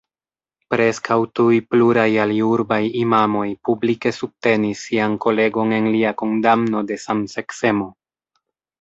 Preskaŭ tuj pluraj aliurbaj imamoj publike subtenis sian kolegon en lia kondamno de samseksemo.